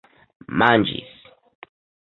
manĝis